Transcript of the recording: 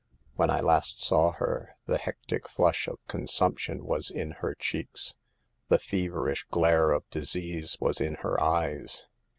When I last saw her the hectic flush of con sumption was in her cheeks, the feverish glare of disease was in her eyes.